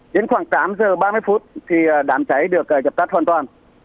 đến khoảng tám giờ ba mươi phút đám cháy được dập tắt hoàn toàn